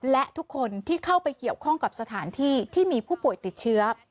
และทุกคนที่เข้าไปเกี่ยวข้องกับสถานที่ที่มีผู้ป่วยติดเชื้อ